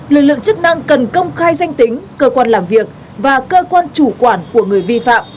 lực lượng chức năng cần công khai danh tính cơ quan làm việc và cơ quan chủ quản của người vi phạm